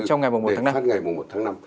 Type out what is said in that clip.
trong ngày một tháng năm